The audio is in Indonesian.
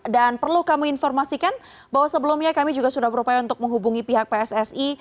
dan perlu kamu informasikan bahwa sebelumnya kami juga sudah berupaya untuk menghubungi pihak pssi